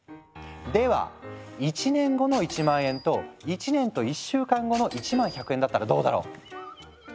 では１年後の１万円と１年と１週間後の１万１００円だったらどうだろう？